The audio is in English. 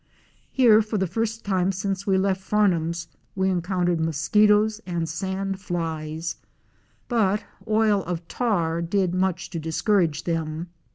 Here for the first time since we left Farnum's we encountered mosquitoes and sand flies, but oil of tar did much to discourage them.